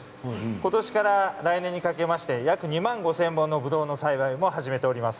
ことしから来年にかけて約２万５０００のぶどうの栽培を始めています。